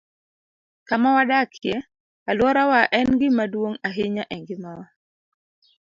Kama wadakie, alworawa en gima duong ' ahinya e ngimawa.